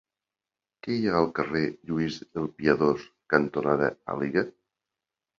Què hi ha al carrer Lluís el Piadós cantonada Àliga?